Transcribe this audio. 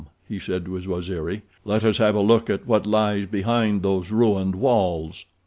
he said, to his Waziri. "Let us have a look at what lies behind those ruined walls."